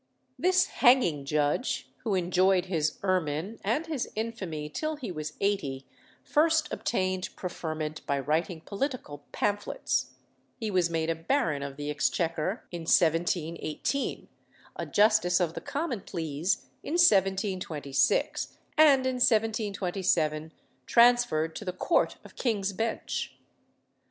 This "hanging judge," who enjoyed his ermine and his infamy till he was eighty, first obtained preferment by writing political pamphlets. He was made a Baron of the Exchequer in 1718, a Justice of the Common Pleas in 1726, and in 1727 transferred to the Court of King's Bench.